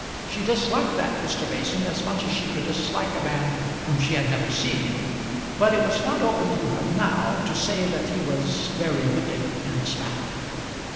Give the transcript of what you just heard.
She disliked that Mr. Mason as much as she could dislike a man whom she had never seen, but it was not open to her now to say that he was very wicked in this matter.